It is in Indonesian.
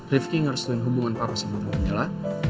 rifqi ngeresuin hubungan papa sama tante mela